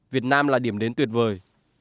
việt nam là điểm đến tuyệt vời